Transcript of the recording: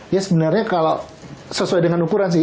ya sebenarnya kalau sesuai dengan ukuran sih